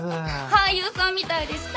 俳優さんみたいでした！